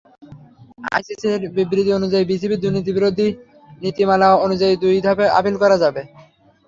আইসিসির বিবৃতি অনুযায়ী, বিসিবির দুর্নীতিবিরোধী নীতিমালা অনুযায়ী দুই ধাপে আপিল করা যাবে।